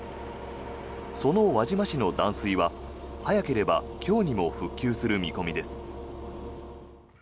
その輪島市の断水は早ければ今日にも復旧する見込みです。